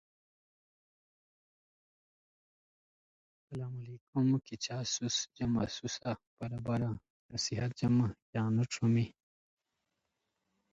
He served as Speaker during that time.